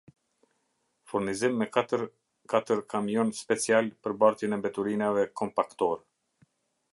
Furnizim me katër katër kamion special për bartjen e mbeturinave kompaktor